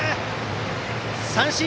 三振。